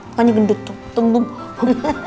makannya gendut tuh tumbuh